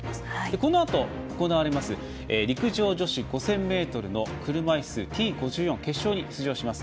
このあと行われる陸上女子５０００ｍの車いすＴ５４の決勝に出場します